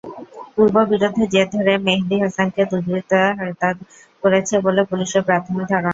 পূর্ববিরোধের জের ধরে মেহেদী হাসানকে দুর্বৃত্তরা হত্যা করেছে বলে পুলিশের প্রাথমিক ধারণা।